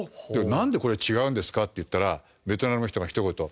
「なんでこれ違うんですか？」って言ったらベトナムの人がひと言